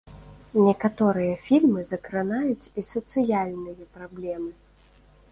Некаторыя фільмы закранаюць і сацыяльныя праблемы.